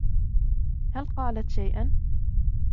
هل قالت شيئا؟